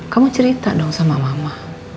kamu cerita dong sama mama